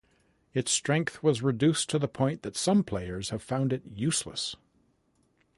Its strength was reduced to the point that some players have found it useless.